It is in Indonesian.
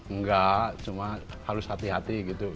enggak cuma harus hati hati gitu